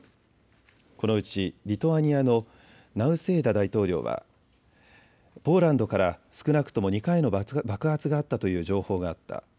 このうちリトアニアのナウセーダ大統領はポーランドから少なくとも２回の爆発があったという情報があった。